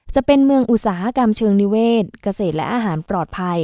จะเป็นเมืองอุตสาหกรรมเชิงนิเวศเกษตรและอาหารปลอดภัย